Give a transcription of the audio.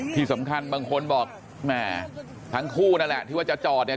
ที่สำคัญบางคนบอกแหมทั้งคู่นั่นแหละที่ว่าจะจอดเนี่ย